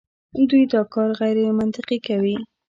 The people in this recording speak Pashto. دوی دا کار غیرمنطقي کوي.